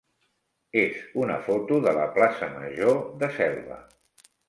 és una foto de la plaça major de Selva.